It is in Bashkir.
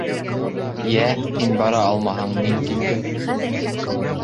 — Йә, һин бара алмаһаң, мин килдем.